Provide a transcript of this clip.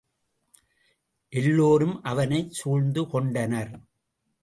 எல்லோரும் அவனைச் சூழ்ந்து கொண்டனர்.